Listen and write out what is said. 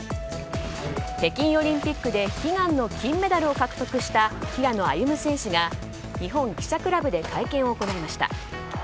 北京オリンピックで悲願の金メダルを獲得した平野歩夢選手が日本記者クラブで会見を行いました。